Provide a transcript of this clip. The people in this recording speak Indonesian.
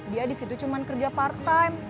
dia di situ cuma kerja part time